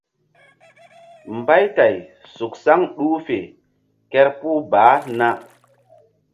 Mbaytay suk saŋ ɗuh fe kerpuh baah na.